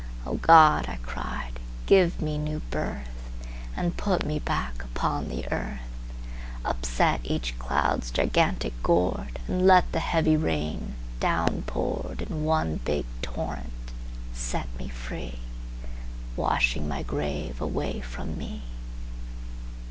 O God, I cried, give me new birth, And put me back upon the earth! Upset each cloud's gigantic gourdAnd let the heavy rain, down pouredIn one big torrent, set me free, Washing my grave away from me!